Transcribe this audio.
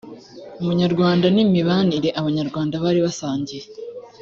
ubunyarwanda n imibanire abanyarwanda bari basangiye